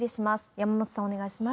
山本さん、お願いします。